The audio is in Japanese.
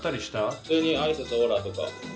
普通に挨拶「オラ」とか。